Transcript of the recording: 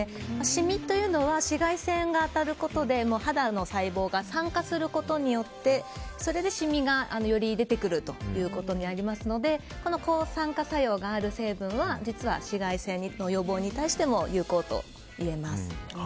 シミというのは紫外線が当たることで肌の細胞が酸化することによってそれでシミがより出てくるということになりますのでこの抗酸化作用があるパプリカは実は紫外線の予防に対しても有効といえます。